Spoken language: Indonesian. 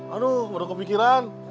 aduh baru kepikiran